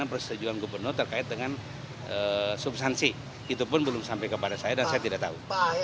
dan persetujuan gubernur terkait dengan subsansi itu pun belum sampai kepada saya dan saya tidak tahu